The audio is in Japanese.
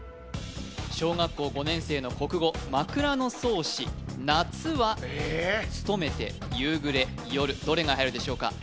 小学校５年生の国語「枕草子」夏は「つとめて」「夕暮れ」「夜」どれが入るでしょうか？